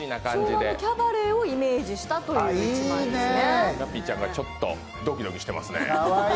昭和のキャバレーをイメージしたということですね。